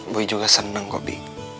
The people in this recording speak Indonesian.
boy juga seneng kok bi